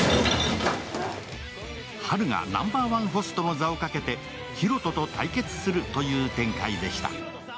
ハルがナンバーワンホストの座をかけてヒロトと対決するという展開でした。